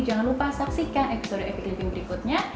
jangan lupa saksikan episode epic living berikutnya